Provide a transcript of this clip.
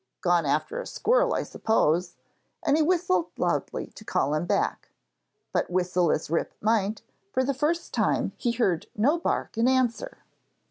Gone after a squirrel, I suppose,' and he whistled loudly to call him back. But whistle as Rip might, for the first time he heard no bark in answer.